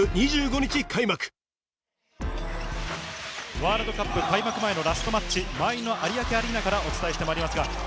ワールドカップ開幕前のラストマッチ、満員の有明アリーナからお伝えしています。